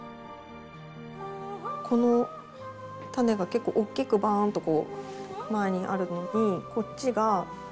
この種が結構おっきくバーンとこう前にあるのにこっちが。